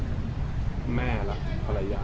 รักแม่รักผลายา